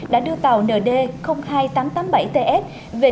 đã đưa tàu nd hai nghìn tám trăm tám mươi bảy ts về đại hội